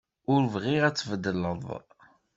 Ur bɣiɣ ad tbeddleḍ.